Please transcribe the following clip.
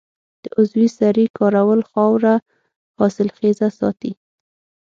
د عضوي سرې کارول خاوره حاصلخیزه ساتي.